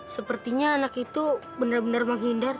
sepertinya anak itu bener bener menghindar